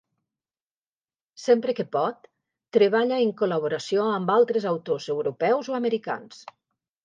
Sempre que pot, treballa en col·laboració amb altres autors europeus o americans.